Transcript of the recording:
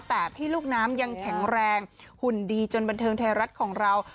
แต่พี่ลูกน้ำยังแข็งแรงหุ่นดีจนบันเทิงไทยรัฐของเรา